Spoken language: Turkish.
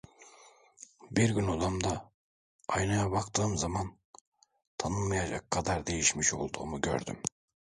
Bir gün odamda aynaya baktığım zaman tanınmayacak kadar değişmiş olduğumu gördüm.